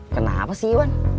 kenapa sih iwan